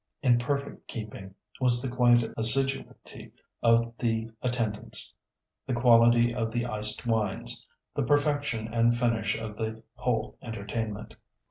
In perfect keeping was the quiet assiduity of the attendants, the quality of the iced wines, the perfection and finish of the whole entertainment.